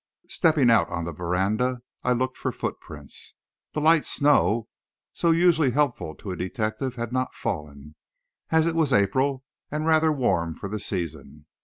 Stepping out on the veranda, I looked for footprints. The "light snow" usually so helpful to a detective had not fallen, as it was April, and rather warm for the season.